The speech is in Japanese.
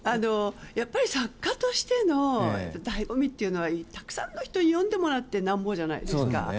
作家としての醍醐味というのはたくさんの人に読んでもらってなんぼじゃないですか。